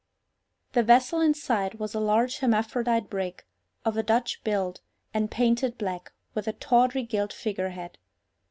The vessel in sight was a large hermaphrodite brig, of a Dutch build, and painted black, with a tawdry gilt figure head.